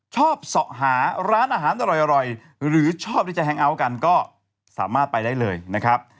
ชอบเสาะหาร้านอาหารอร่อยหรือชอบที่จะแฮงเอาท์กันก็สามารถไปได้เลยนะครับ